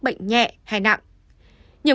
bệnh nhẹ hay nặng nhiều